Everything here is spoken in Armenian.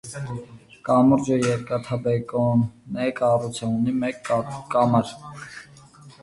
Կամուրջը երկաթբետոնե կառույց է, ունի մեկ կամար։